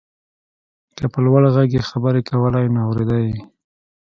که په لوړ غږ يې خبرې کولای نو اورېده يې.